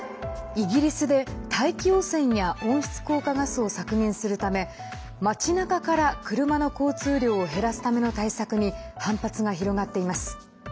イギリスで大気汚染や温室効果ガスを削減するため町なかから車の交通量を減らすための対策に反発が広がっています。